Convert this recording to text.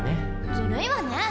ずるいわね。